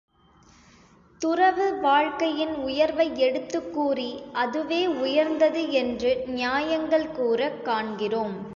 துறவு வாழ்க்கையின் உயர்வை எடுத்துக் கூறி அதுவே உயர்ந்தது என்று நியாயங்கள் கூறக் காண்கிறோம்.